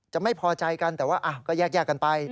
ไม่พอใจกันแต่ว่าก็แยกกันไป